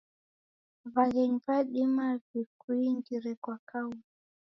Waghenyi wadima wikuingire kwa kaung'a